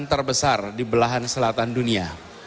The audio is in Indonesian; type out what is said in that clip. yang terbesar di belahan selatan dunia